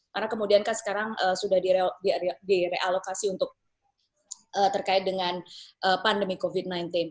karena kemudian kan sekarang sudah direalokasi untuk terkait dengan pandemi covid sembilan belas